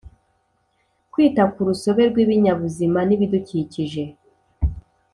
kwita ku rusobe rw’ibinyabuzima n’ibidukikije.